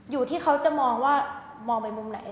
อยู่ที่เขาจะมองว่ามองไปมุมไหน